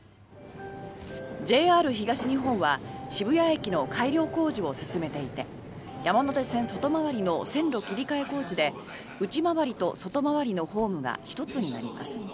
ＪＲ東日本は渋谷駅の改良工事を進めていて山手線外回りの線路切り替え工事で内回りと外回りのホームが１つになります。